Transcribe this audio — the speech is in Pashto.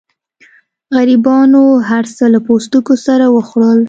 غریبانو هر څه له پوستکو سره وخوړل.